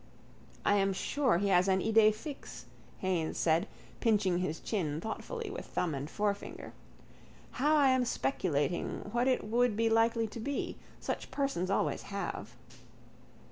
—I am sure he has an idée fixe, Haines said, pinching his chin thoughtfully with thumb and forefinger. Now I am speculating what it would be likely to be. Such persons always have.